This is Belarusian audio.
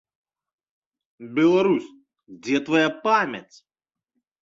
Беларус, дзе твая памяць?!